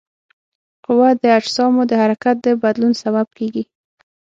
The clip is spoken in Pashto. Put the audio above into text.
قوه د اجسامو د حرکت د بدلون سبب کیږي.